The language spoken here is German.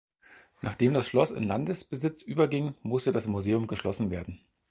Nachdem das Schloss in Landesbesitz überging, musste das Museum geschlossen werden.